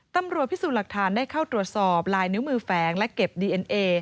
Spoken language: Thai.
ตำรวจพิสูจน์หลักฐานได้เข้าตรวจสอบลายนิ้วมือแฝงและเก็บดีเอ็นเอ